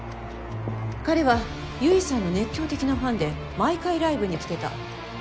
「彼は結衣さんの熱狂的なファンで毎回ライブに来てた。